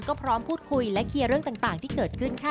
ก็พร้อมพูดคุยและเคลียร์เรื่องต่างที่เกิดขึ้นค่ะ